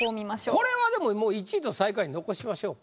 これはでももう１位と最下位残しましょうか。